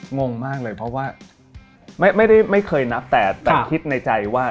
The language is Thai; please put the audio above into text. งงมากเลยเพราะว่าไม่ได้ไม่เคยนับแต่คิดในใจว่า